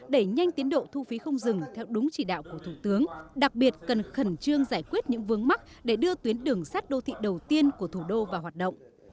đẩy nhanh tiến độ thu phí không dừng theo đúng chỉ đạo của thủ tướng đặc biệt cần khẩn trương giải quyết những vướng mắc để đưa tuyến đường sát đô thị đầu tiên của thủ đô vào hoạt động